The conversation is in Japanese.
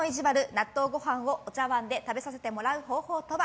納豆ご飯をお茶わんで食べさせてもらう方法とは？